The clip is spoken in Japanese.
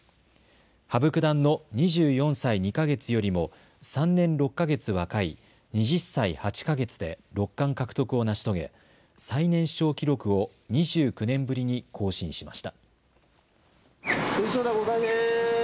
羽生九段の２４歳２か月よりも３年６か月若い２０歳８か月で六冠獲得を成し遂げ最年少記録を２９年ぶりに更新しました。